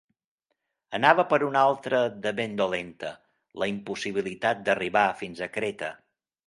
Anava per una altra de ben dolenta, la impossibilitat d'arribar fins a Creta.